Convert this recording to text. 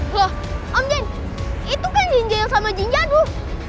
lah om jairin itu kan jinja yang sama jinja dulu